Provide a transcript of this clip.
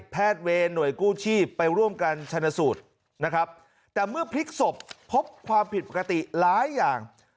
เวรหน่วยกู้ชีพไปร่วมกันชนสูตรนะครับแต่เมื่อพลิกศพพบความผิดปกติหลายอย่าง